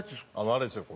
あれですよ。